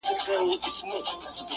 بیا به کله راسي، وايي بله ورځ -